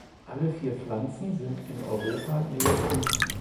Alle vier Pflanzen sind in Europa Neophyten.